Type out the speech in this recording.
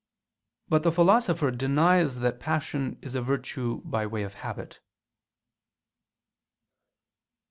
But the Philosopher denies that passion is a virtue by way of habit.